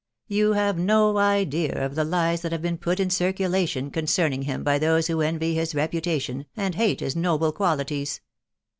.... You have no idea of the lies that have been put in cir culation concerning him by those who envy his reputation, and hate his noble qualities."